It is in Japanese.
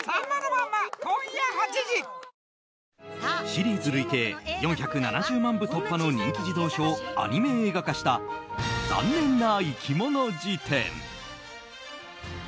シリーズ累計４７０万部突破の人気児童書をアニメ映画化した「ざんねんないきもの事典」。